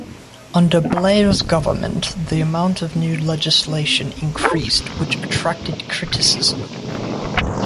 Under Blair's government the amount of new legislation increased which attracted criticism.